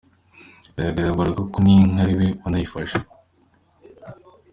bigaragara ko n’inka ari we wanayifashe.